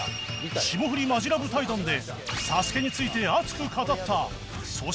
霜降りマヂラブ対談で ＳＡＳＵＫＥ について熱く語った粗品と野田